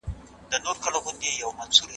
د ارغنداب سیند د بزګرانو باور زیات کړی دی.